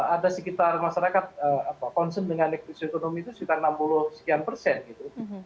ada sekitar masyarakat concern dengan kondisi ekonomi itu sekitar enam puluh sekian persen gitu